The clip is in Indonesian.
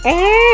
ya lagi jauh